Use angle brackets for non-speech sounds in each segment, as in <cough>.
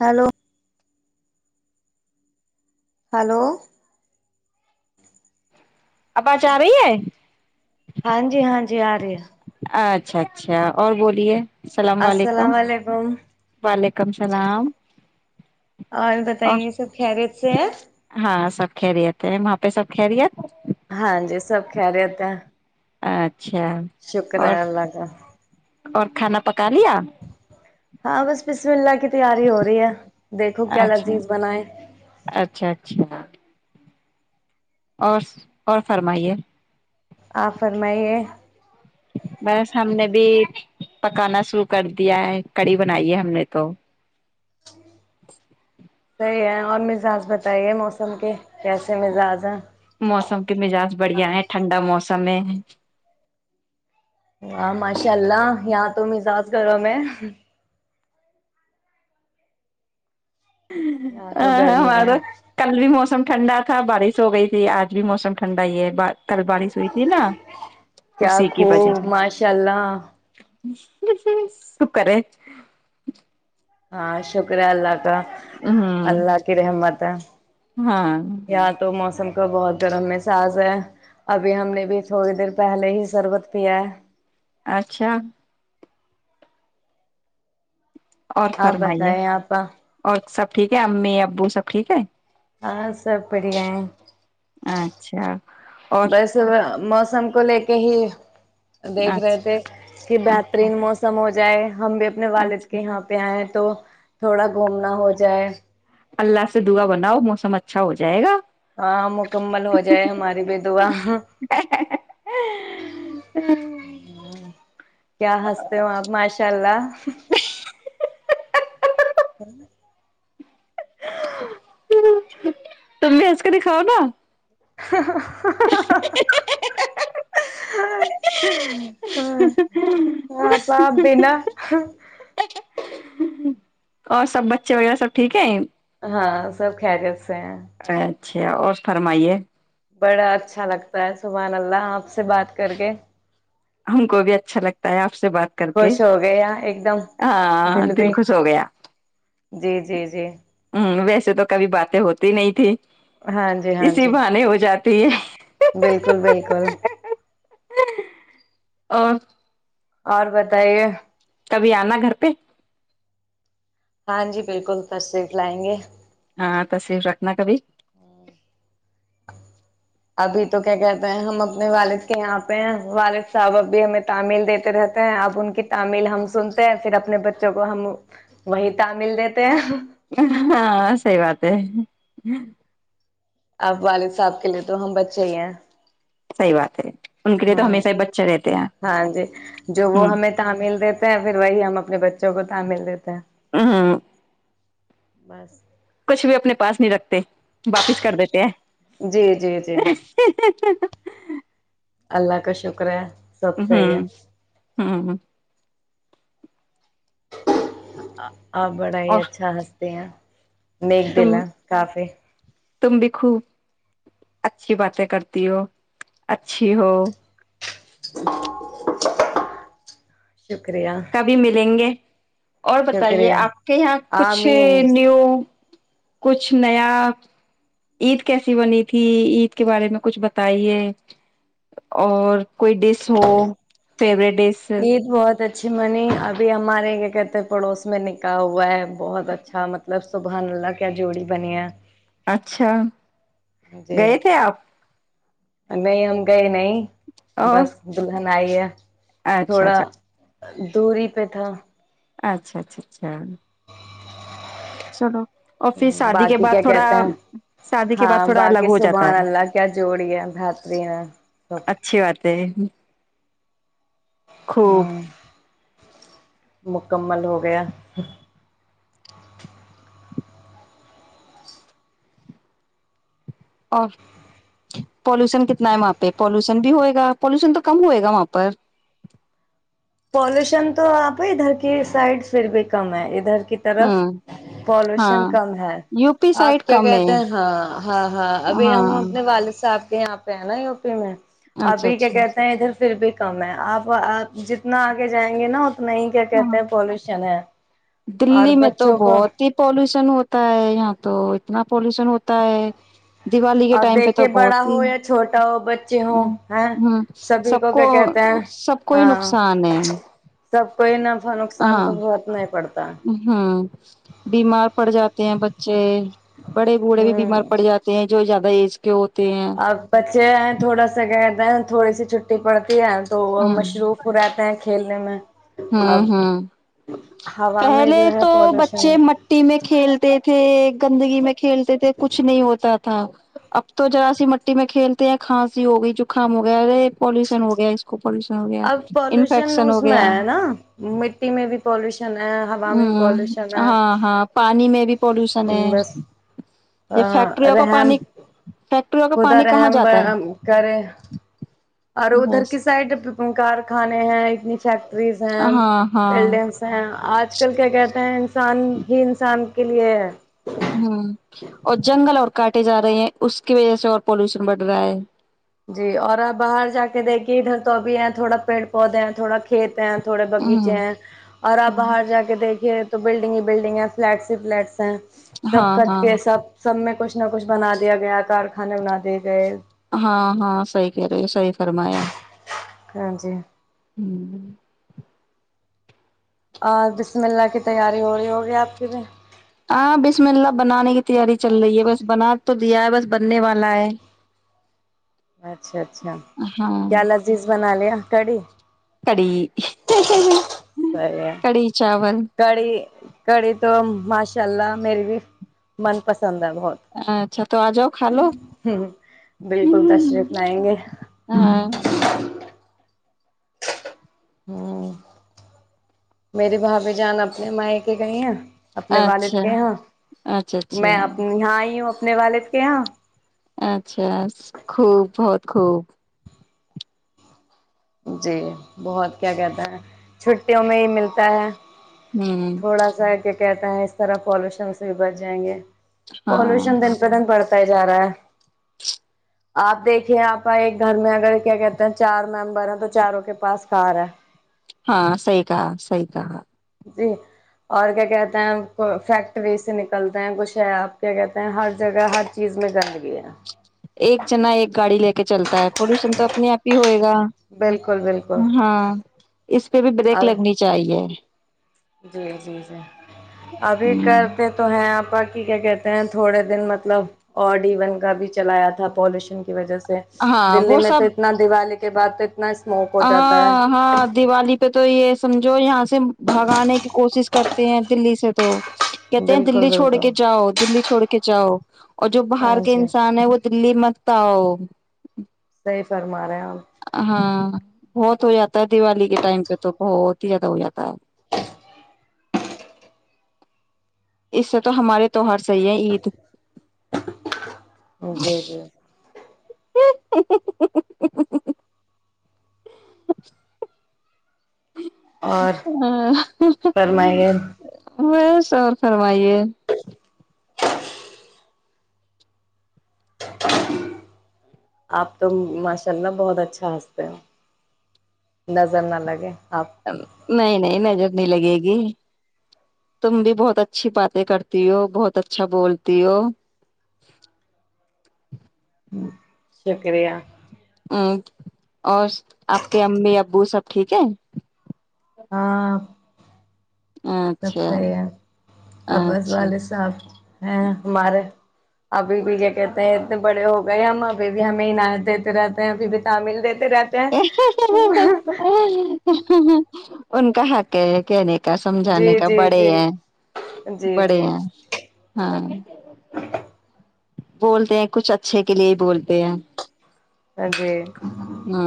hello hello اب آج آ رہی ہے جیار اچھا اچھا اور بولیے اللام و علیکم السلام علیکم وعلیکم السلام اور بتائیے سب خیریت سے ہے ہاں کھرییت ہیں وہاں پہ سب کہرییت ہاں جی سب کہ رہےتے ہیں اچھا اور کا اور کھانا پکا لیا ہاں بس بسم اللہ کی تیاری ہو رہی ہے دیکھو کیا اچھا لذیذ بنائے اچھا اچھا اور اور فرمائیے آاں فرمائیے بس ہم نے بھی پکانا شروع کر دیا ہے کڑی بنائی ہے ہم نے تو <inaudible> صحیح ہے اور مزاج بتائیے موسم کے کیسے مزاج ہیں موسم مزاج بڑھیا ہے ٹھنڈا موسم سمے ہے ہاں ماشاء اللہ یہاں تم مزاج گرم میں یہاں تو ہاں گرمی آ ہے تو کللی موسم ٹھنڈا تھا بارش ہو گئی تھی آج بھی موسم ٹھنڈا ہی ہے کل بارش ہوئی تھی نا کیا اسی کی خو ماشاء اللہ س کرے ہاں شکرہ اللہ کا ہوں اللہ کی رحمت ہے ہاں اں تو موسم کو بہت گرم م ساس ہے ابھی ہم نے بھی تھوڑی دیر پہلے ہی سربت پیا ہے اچھا اور آپ فرمائیے بتائیں آپ اور سب ٹھیک ہے امی ابو سب ٹھیک ہے ہاں سب بڑھیا ہے اچھا اور بس موم سم کو لے کے ہی دیکھ رہے اچھا تھے کہ اچھا بہترین موسم ہو ج جائے ہم بھی اپنے والد کے اچھا یہاں پہ آئیں تو تھوڑا گھومنا ہو جائے اللہ سے دعا بناؤ موسم اچھا ہو جائے گا ہاں مکمل ہو جائے ہماری بھی دعا کیا ہنستے ہو آپ ماشاء اللہ ہاں تم بھی آج کر ہی کاؤ گا ہپ بنا اور سب بچے وغیرہ سب ٹھیک ہے ہاں سب کریت سے ہیں اچھا اور فرمائیے بڑا اچھا لگتا ہے سبح اللہ آپ سے بات کر کے ہم کو بھی اچھا لگتا ہے آپ سے بات کر کے خوش ہو گیا ایک دم ہاں دل خوش ہو گیا جی جی جی ہ ویسے سے تو کبھی باتیں ہوتی نہیں تھی ہاں جی ہاں اسی جی بہانے ہو جاتی ہے بالکل بالکل اور اور بتائیے کبھی آنا گھر پہ ہاں جی بالکل پرسف لائیں گے ہاں تصوف رکھنا کبھی ابھی تو کیا کہتے ہیں ہم اپنے والد کے یہاں پہ ہیں والد صاحب اب بھی ہمیں تعمل دیتے رہتے ہیں اب ان کی تعمل ہم سنتے ہیں پھر اپنے بچوں کو ہم وہی تعمل دیتے ہیں ہاں سی بات ہے اپ والد صاحب کے لیے تو ہم بچے ہی ہیں صحیح بات ہے ان کے لیے تو ہوں ہمیشہ ہی بچے رہتے ہیں ہاں جی جو وہ ہ ہمیں تعمل دیتے ہیں پھر وہی ہم اپنے بچوں کو تعمل دیتے ہیں ہ بس کچھ بھی اپنے پاس نہیں رکھتے واپس کر دیتے جی جی ہیں جی <unintelligible> اللہ کا شکر ہے سب ہاں صحیح ہے ہاں ہاں آپ بڑا ہی اور اچھا ہنستے ہیں میک تم دلا کافی تم بھی خوب اچھی باتیں کرتی ہو اچھی ہو <inaudible> کبھی ملیں گے اور بتائیے شکریہ آپ کے یہاں کچھ آمین نیو کچھ نیا عید کیسی بنی تھی عید کے بارے میں کچھ بتائیے اور کوئی ڈس ہو <unintelligible> یہ تو بہت اچھا اچ منی ابھی ہمارے کیا کہتے ہیں پڑوس میں نکا ہوا ہے بہت اچھا مطلب سبحان اللہ کیا جوڑی بنی ہے اچھا <unintelligible> جی گئے تھے آپ نہیں ہم گئے نہیں اور بس دلہن آئیے اچھا تھوڑا اچھا دوری پہ تھا اچھا اچھا اچھا چلو اور پھر شادی کے باقی کیا بعد تھوڑا کہتے ہیں شادی کے بعد ہاں تھوڑا باقی الگ ہو جاتا سبحان ہے اللہ کیا جوڑی ہے بہترین ہے سب اچھی بات ہے ہ خوب <unintelligible> مک <unintelligible> مکمل ہو گیا اور پالوشن کتنا ہے وہاں پہ پالوشن بھی ہوئے گا پالوشن تو کم ہوئے گا وہاں پر پولوشن تو آپ ادھر کی سائڈ پھر بھی کم ہے ادھر کی طرف ہوں ہاں پالوشن کم ہے یو پی سائڈ آپ کیا کم ہے کہتے ہیں ہاں ہاں ہاں ابھی ہم ہاں اپنے والد صاحب کے یہاں پہ ہے نا یو پی میں اچھا ابھی کیا اچھا کہتے ہیں ادھر پھر بھی کم ہے آپ آپ نہ آگے جائیں گے نا اتنا ہی کیا کہتے ہاں ہیں پالوشن ہے اور دلی میں تو بچوں کو بہت ہی پالوش پشن ہوتا ہے یہاں تو اتنا پالوشن ہوتا ہے دیوالی کے ا ٹائم پہ تو دیکھیے بڑا بہت ہو ہی یا چھوٹا ہو بچے ہو ہ ہے ہ سبھی کو کیا کہتے ہیں سب کو ہی ہاں نقصان ہے سب کوئی نفا نقصان تو بہت نہیں پڑتا ہاں بیمار پڑ جاتے ہیں ب جی <unintelligible> بڑے بوڑھے بھی بیمار پڑ جاتے ہیں جویاہ بیچ کے <unintelligible> اپ بچے ہیں تھوڑا سا گ تھڑی سی چھٹی پڑتی تو مشروف ہو رہاتے ہیں کھیل م میں <unintelligible> ہ اب ہ ہوا میں پہلے جو ہے تو پالوشن بچے مٹی میں کھیلتے تھے زندگی میں کھیلتے تھے کچھ نہیں ہوتا تھا اب تو جذرا سی مٹی میں کھیلتے ہیں کھانسی ہو گئی جکام ہو گیا رے پالوشن ہو گیا اس کو پولوشن ہو گیا اب پالوشن انفیکشن ہو اس میں گیا ہے نا مٹی میں بھی پالش ہ ہاں ہاں پانی میں بھی پالوشن ہے بس یہ فیکٹریوں کو رحم پانی فیکٹریوں کا خدا پانی کہاں رحم جاتا ہے کرے اور ادھر بس کی سائڈ کارخانے ہیں اتنی فیکٹریز ہاں ہاں لڈینس ہیں آج کل کیا کہ انسان ہی انسان کے لیے ہوں اور جنگل اور کاٹے جا رہے ہیں اس کی وجہ سے اور پالوشن بڑھ رہا ہے جی اور آپ باہر جا کے دیکھیے ادھر تو ابھی ہے تھوڑا پیڑ پودے تھوڑا کھیت ہیں تھوڑے ہ باغیچے ہیں اور آپ باہر جا کے دیک یہ تو بلڈگ ہی بلڈگ، فلیٹس ہی فلیٹس ہیں سب ہاں کٹ ہاں کے سب سب میں کچھ چ نہ کچھ بنا دیا گیا کارخانے بنا دیے گئے ہاں ہاں صحی کہہ رہے ہیں سحی فرمایا ہاں جی ہوں آ بسم اللہ کی تیاری ہو رہی ہوگی آپ کی بھی ہاں بسم اللہ بنانے کی تیاری چل رہی ہے بس بنا تو دیا ہے بس بننے والا ہے اچھا اچھا اچھا ہاں کیا لذیذ بنا لے اتڑ کڑی ہے کڑی چاول کڑھی کڑھی تو مش ان شاء اللہ میری بھی من پسند بہت اچھا تو آ جاؤ کھا لو بالکل تشریف لائیں گے ہاں ہوں میری بھاابھی جان اپنے مائ کے گئی ہیں اپنے والد اچھا کے یہاں اچھا اچھا میں اپ یہاں آئی ہوں نے والد کے یہاں اچھا خوب بہت خوب جی بہت کیا کہتا ہے چھٹیوں میں ہی ملتا ہے ہوں تھوڑا سا <inaudible> کہتا ہے اس طرح پالوشن سے بھی بچ جائیں گے ہاں پولوشن دن پہ دن پڑتا جا رہا ہے <inaudible> آپ دیکھیے آپ ایک گھر میں اگر کیا کہتے ہیں چار میم بارہ تو چاروں کے پاس کار ہے ہاں سح کہا سی کہا جی اور کیا کہتے ہیں فیکٹری سے نکلتے ہیں کچھ ہے آپ کیا کہتے ہیں ہر جگہ ہر چیز میں جد ایک جنا ایک گاڑی لے کے چلتا ہے پدوشن تو اپنے آپ ہی ہوئے گا بالکل بالکل ہاں اس پہ بھی بریک اور لگنی چاہیے جی جی جی ابھی ہ کرتے تو ہیں آپ کیا کہتے ہیں تھوڑے دن مطلب اورڈ ای وون کا بھی چلایا تھا پولوشن کی وجہ سے ہاں دلی وہ میں سب تو اتنا دیوالی کے بد تک ہاں ہاں دیوالی پہ تو یہ سمجھو یہاں سے بھگانے کی کوشش کرتے ہیں دلی سے تو کہتے ہیں بالکل دللی چھوڑ کے بالکل جاؤ دللی چھوڑ کے <inaudible> جاؤ اور جو باہر ہاں کے جی انسان ہے وہ دلی مت توؤ صحی فرما رہے ہیں آپ ہاں بہت ہو جاتا ہے دیوالی کے ٹائم پہ تو بہت ہی زیادہ ہو جاتا ہے اس سے تو ہمارے تیوہار صحیح ہے عید جی جی <inaudible> <inaudible> اور فرمائی گ بس اور فرمائیے آپ تو ماشاء اللہ بہت اچھا ہنستے ہو نظر نہ لگے آپ کو نہیں نہیں م ج لگے گی تم بھی بہت اچھی باتیں کرتی ہو بہت اچھا بولتی ہو شکریہ ہ اور آپ کے امی ابو سب ٹھیک ہے ہ <inaudible> سب اچھا صحیح ہے اباز اچھا والد صاحب ہمارے ابھی بھی کیا کہتے ہیں اتنے بڑے ہو گئے ہم ابھی بھی ہمیں عنایت دیتے رہتے ہیں ابھی بھی تعمل دیتے رہتے ہیں <inaudible> ان کا حق ہے کہنے سمجھانے جی کا جی بڑے جی ہیں جی بڑے جی ہیں ہاں بولتے ہیں کچھ اچھے کے لیے ہی بولتے ہیں جی ہ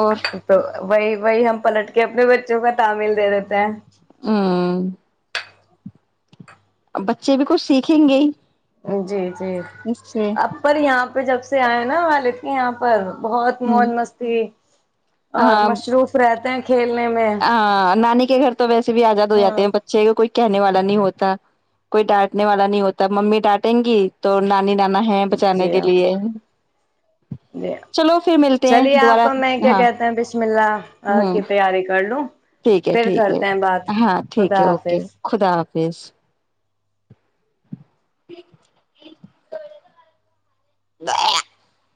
اور تو وہی وہی ہم پلٹ کے اپنے بچوں کا تعمل دے دیتے ہیں ہاں ا بچے بھی کچھ سیکھیں گے ہی جی جی اس سے اپر یہاں پہ جب سے آئ نا وال ل کی آاں پر بہت ہ موج مستی اور ہاں مصروف رہتے ہیں کھیلنے میں ہاں نان <unintelligible> تو ویسے بھی آزاد ہواتے ہاں ہیں بچے کوئی کہنے والا نہیں ہوتا کوئی ڈانٹنے والا نہیں ہوتا ممی ڈانٹیں گی تو نانی جانا ہے بچانے کے لیے ج چلو پھر ملتے ہیں چلیے آپ دوبارہ میں کیا ہاں کہتے ہیں بشم اللہ ہ کی تیاری کر لوں ٹھیک ہے پھر ٹھیک ہے کرتے ہیں بات ہاں ٹھیک خدا ہے اوکے حافظ خدا راکیش <inaudible>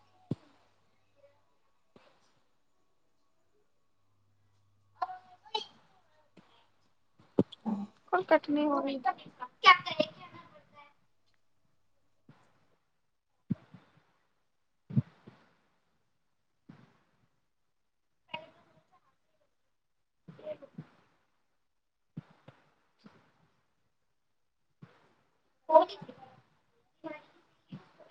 ہاں <inaudible> کل کٹنی ہو رہی ا <inaudible>